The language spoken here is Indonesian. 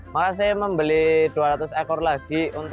maka saya membeli dua ratus ekor lagi